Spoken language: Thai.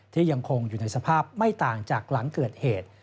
ยังคงอยู่ในสภาพไม่ต่างจากหลังเกิดเหตุ